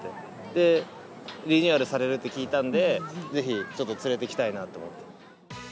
で、リニューアルされるって聞いたんで、ぜひ、ちょっと連れてきたいなと思って。